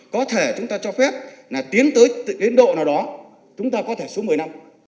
có thể chúng ta cho phép là tiến tới ấn độ nào đó chúng ta có thể xuống một mươi năm